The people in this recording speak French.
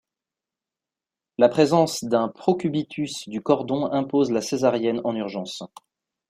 La présence d'un procubitus du cordon impose la césarienne en urgence.